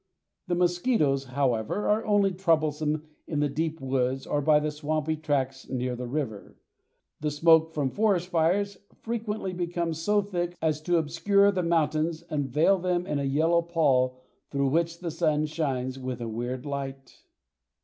The mosquitoes, however, are only troublesome in the deep woods or by the swampy tracts near the river. The smoke from forest fires frequently becomes so thick as to obscure the mountains and veil them in a yellow pall through which the sun shines with a weird light.